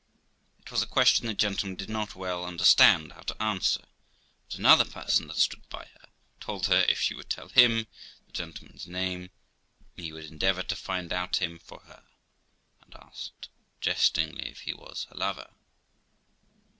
It was a question the gentleman did not well understand how to answer; but another person that stood by told her, if she would tell him the gentleman's name, he would endeavour to find him out for her, and asked jestingly if he was her lover.